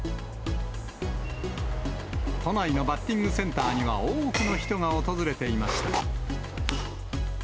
都内のバッティングセンターには多くの人が訪れていました。